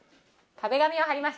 壁紙を貼ります。